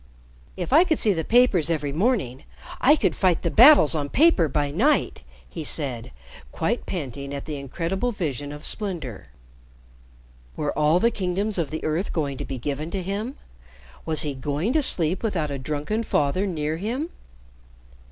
"If I could see the papers every morning, I could fight the battles on paper by night," he said, quite panting at the incredible vision of splendor. Were all the kingdoms of the earth going to be given to him? Was he going to sleep without a drunken father near him?